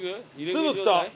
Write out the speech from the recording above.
すぐきた。